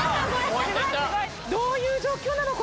どういう状況なの？